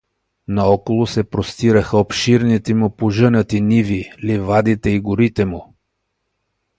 Наоколо се простираха обширните му пожънати ниви, ливадите и горите му.